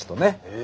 え？